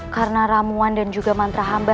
karena ramuan dan juga mantra hamba